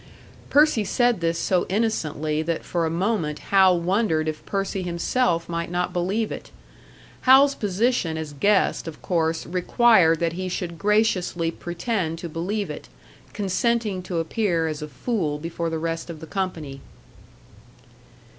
Percy said this so innocently that for a moment Hal wondered if Percy himself might not believe it. Hal's position as guest of course required that he should graciously pretend to believe it, consenting to appear as a fool before the rest of the company.